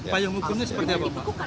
payung hukumnya seperti apa pak